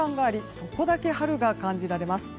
そこだけ春が感じられます。